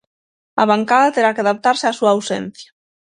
A bancada terá que adaptarse á súa ausencia.